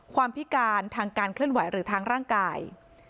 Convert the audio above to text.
พิการทางการเคลื่อนไหวหรือทางร่างกาย